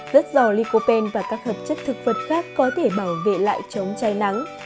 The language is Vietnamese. màu lycopene và các hợp chất thực vật khác có thể bảo vệ lại chống cháy nắng